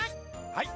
はい！